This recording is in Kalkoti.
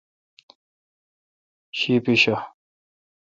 شی پیچھہ۔